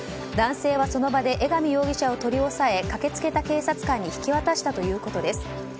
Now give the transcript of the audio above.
男性はその場で江上容疑者を取り押さえ駆けつけた警察官に引き渡したということです。